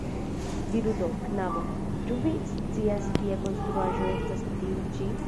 Diru do, knabo, ĉu vi scias kia konstruaĵo estas tiu ĉi?